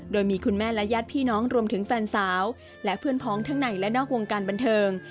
โดยมีคุณแม่และญาติพี่น้องรวมถึงแฟนสาวและเพื่อนพ้องทั้งในและนอกวงการบันเทิง